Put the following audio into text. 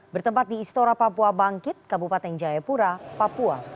bertempat di istora papua bangkit kabupaten jayapura papua